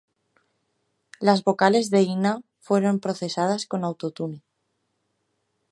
Las vocales de Inna fueron procesadas con Auto-Tune.